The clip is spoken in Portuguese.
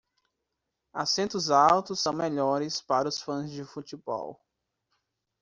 Assentos altos são melhores para os fãs de futebol.